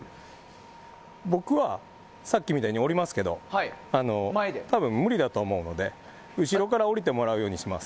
僕はさっきみたいに下りますけども多分、無理だと思うので後ろから下りてもらうことにします。